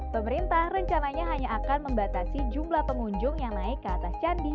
pemerintah rencananya hanya akan membatasi jumlah pengunjung yang naik ke atas candi